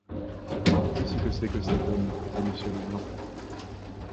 Qu’est-ce que c’est que cet homme ? dit Monsieur Leblanc.